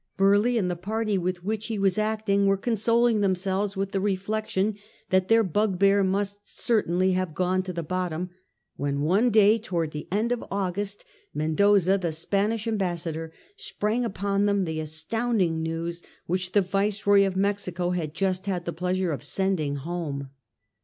Burleigh and the party with which he was acting were consoling themselves with the reflection that their bugbear must certainly have gone to the bottom, when one day towards the end of August, Mendoza, the Spanish Ambassador, sprang upon them the astounding news which the Viceroy of Mexico had just had the pleasure of sending home.